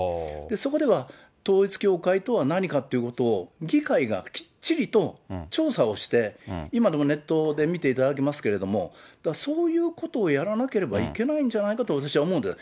そこでは統一教会とは何かということを、議会がきっちりと調査をして、今でもネットで見ていただけますけれども、そういうことをやらなければいけないんじゃないかと私は思うんです。